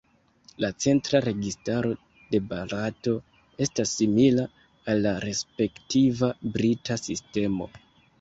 La centra registaro de Barato estas simila al la respektiva brita sistemo.